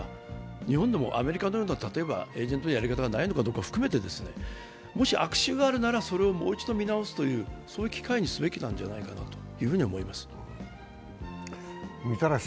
日本でもアメリカのようなエージェントのやり方がないのかどうかを含めてもし悪習があるなら、もう一度見直す機会にするべきではないかと思います。